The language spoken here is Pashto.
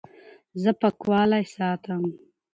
زه پاکوالی ساتم.